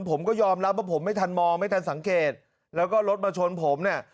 ผมก็ยอมรับว่าผมไม่ทันมองไม่ทันสังเกตแล้วก็รถมาชนผมเนี่ย